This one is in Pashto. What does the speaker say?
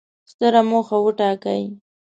ستره موخه وټاکئ!